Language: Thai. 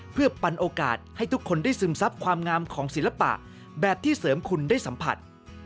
เพื่อปันโอกาสให้ทุกคนได้ซึมซับความงามของศิลปะแบบที่เสริมคุณได้สัมผัส